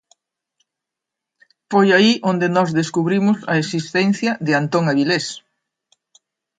Foi aí onde nós descubrimos a existencia de Antón Avilés.